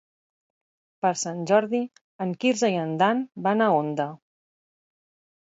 Per Sant Jordi en Quirze i en Dan van a Onda.